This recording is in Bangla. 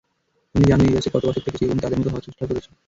তুমি জানো, ইউএসে কত বছর থেকেছি, এবং তাদের মতো হওয়ার চেষ্টাও করেছি।